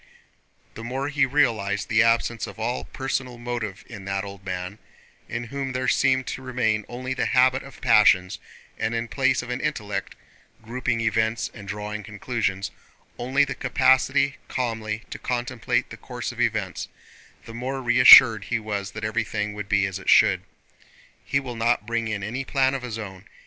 The more he realized the absence of all personal motive in that old man—in whom there seemed to remain only the habit of passions, and in place of an intellect (grouping events and drawing conclusions) only the capacity calmly to contemplate the course of events—the more reassured he was that everything would be as it should. "He will not bring in any plan of his own.